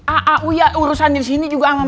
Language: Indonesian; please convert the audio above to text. a a uya urusan disini juga sama mas randy